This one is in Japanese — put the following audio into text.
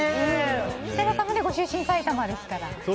設楽さんもご出身埼玉ですから。